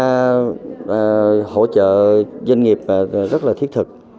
hubar hỗ trợ doanh nghiệp rất là thiết thực